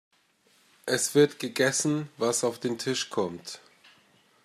Es wird gegessen, was auf den Tisch kommt.